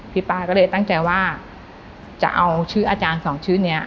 ป้าก็เลยตั้งใจว่าจะเอาชื่ออาจารย์สองชื่อนี้